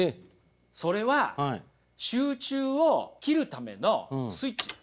それは集中を切るためのスイッチです。